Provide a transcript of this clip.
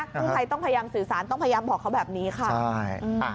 กู้ภัยต้องพยายามสื่อสารต้องพยายามบอกเขาแบบนี้ค่ะใช่